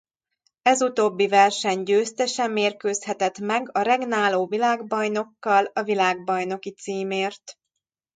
Ez utóbbi verseny győztese mérkőzhetett meg a regnáló világbajnokkal a világbajnoki címért.